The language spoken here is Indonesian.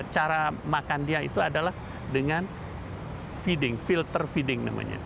cara makan dia itu adalah dengan feeding filter feeding namanya